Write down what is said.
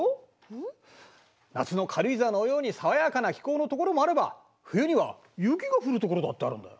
ん？夏の軽井沢のように爽やかな気候の所もあれば冬には雪が降る所だってあるんだよ。